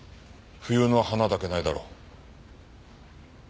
冬の花だけないだろう。